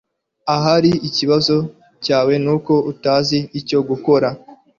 Ahari ikibazo cyawe nuko utazi icyo gukora